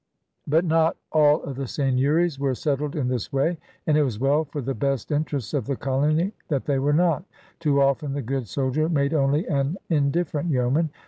But not all of the seigneuries were settled in this way, and it was well for the best interests of the colony that they were not. Too often the good soldier made only an indifferent yeoman.